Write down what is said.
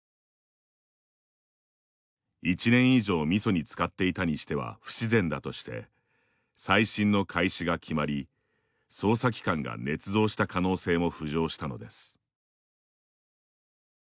１年以上みそにつかっていたにしては不自然だとして再審の開始が決まり捜査機関がねつ造した可能性も浮上したのです。